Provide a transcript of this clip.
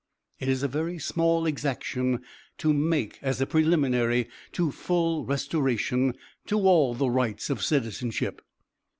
It is a very small exaction to make as a preliminary to full restoration to all the rights of citizenship.